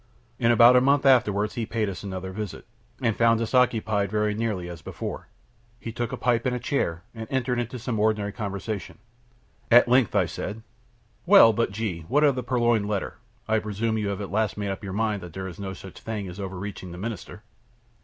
In about a month afterward he paid us another visit, and found us occupied very nearly as before. He took a pipe and a chair, and entered into some ordinary conversation. At length I said: "Well, but, G , what of the purloined letter? I presume you have at last made up your mind that there is no such thing as overreaching the Minister?"